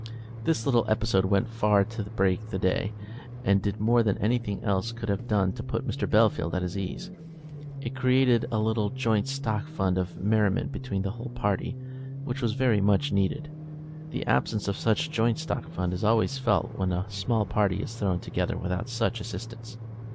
This little episode went far to break the day, and did more than anything else could have done to put Captain Bellfield at his ease. It created a little joint stock fund of merriment between the whole party, which was very much needed. The absence of such joint stock fund is always felt when a small party is thrown together without such assistance.